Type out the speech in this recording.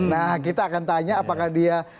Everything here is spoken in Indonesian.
nah kita akan tanya apakah dia